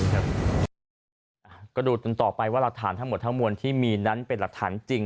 ก็ดูต่อไปว่าหลักฐานทั้งหมดทั้งมวลที่มีนั้นเป็นหลักฐานจริง